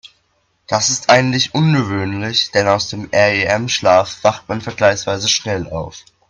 Das ist eigentlich ungewöhnlich, denn aus dem REM-Schlaf wacht man vergleichsweise schnell auf.